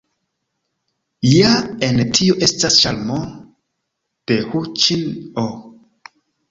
Ja en tio estas ĉarmo de huĉin-o.